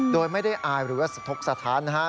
โดยไม่ได้อายหรือว่าสะทกสถานนะฮะ